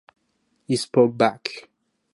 He spoke back.